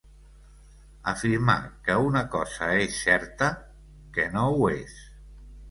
Afirmar que una cosa és certa, que no ho és.